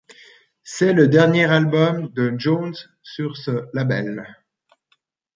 C'est le dernier album de Jones sur ce label.